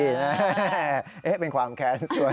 ใช่เป็นความแค้นส่วนเป็นความแค้นส่วน